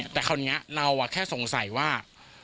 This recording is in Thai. แต่คราวนี้เราแค่สงสัยว่า